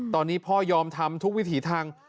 ตอนนี้พ่อยอมทำทุกวิถีทาง